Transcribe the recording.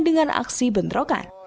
dengan aksi bentrokan